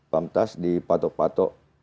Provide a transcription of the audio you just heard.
pamtas di patok patok